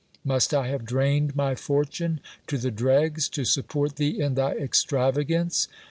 Must I have drained my fortune to the dregs to support thee in thy extravagance?